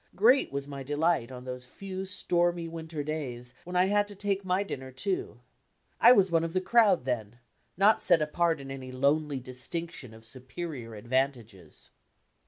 Great was my delight on those few stormy winter days when I had to take my dinner, too. I was "one of the crowd" then, not set apart in any lonely distinction of superior advantages.